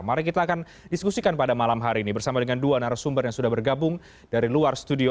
mari kita akan diskusikan pada malam hari ini bersama dengan dua narasumber yang sudah bergabung dari luar studio